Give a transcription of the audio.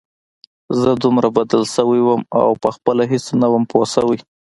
زه دومره بدل سوى وم او پخپله هېڅ نه وم پوه سوى.